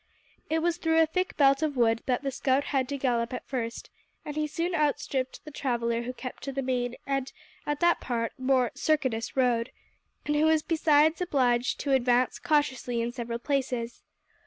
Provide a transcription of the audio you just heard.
It was through a thick belt of wood that the scout had to gallop at first, and he soon outstripped the traveller who kept to the main and, at that part, more circuitous road, and who was besides obliged to advance cautiously in several places.